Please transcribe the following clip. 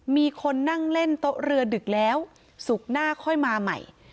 มีคนนั่งเล่นโต๊ะเรือดึกแล้วศุกร์หน้าค่อยมาใหม่